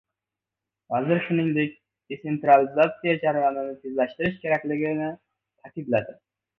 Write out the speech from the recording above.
Vazir, shuningdek, desentralizatsiya jarayonini tezlashtirish kerakligini ta’kidlagan.